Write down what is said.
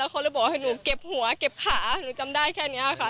ก็บอกว่าหนูเก็บหัวเก็บขาหนูจำได้แค่เนี้ยค่ะค่ะ